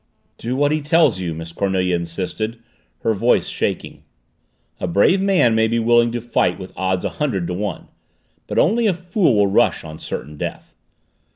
"Do what he tells you!" Miss Cornelia insisted, her voice shaking. A brave man may be willing to fight with odds a hundred to one but only a fool will rush on certain death.